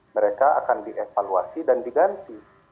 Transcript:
mereka akan dievaluasi dan diganti